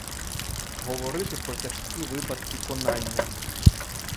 Говорити про тяжкі випадки конання.